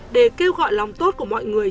để kêu gọi lòng tốt của mọi người